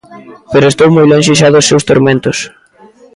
Pero estou moi lonxe xa dos seus tormentos.